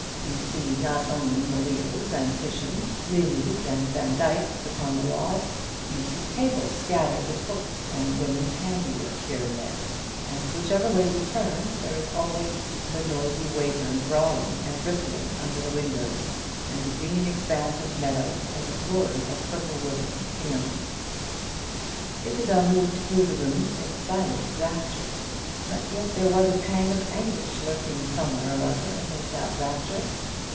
You see not only Murillos and Titians, Lelys and Vandykes upon the walls; you see tables scattered with books, and women's handiwork here and there; and whichever way you turn, there is always the noisy Wayverne brawling and rippling under the windows, and the green expanse of meadow and the glory of purple woodland beyond. Isabel moved through the rooms in a silent rapture; but yet there was a pang of anguish lurking somewhere or other amid all that rapture.